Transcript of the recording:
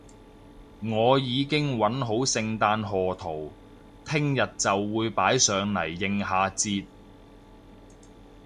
我已經搵好聖誕賀圖，聽日就會擺上嚟應下節